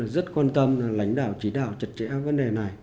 chúng tôi rất quan tâm lãnh đạo chỉ đạo trật trẻ vấn đề này